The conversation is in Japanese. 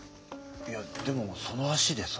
いやでもその足でさ。